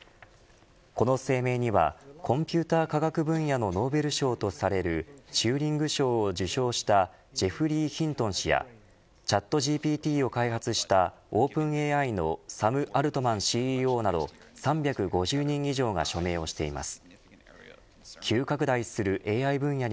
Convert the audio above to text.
この声明にはコンピューター科学分野のノーベル賞とされるチューリング賞を受賞したジェフリー・ヒントン氏やチャットＧＰＴを開発したオープンＡＩのサム・アルトマンＣＥＯなど３５０人以上が署名をしています。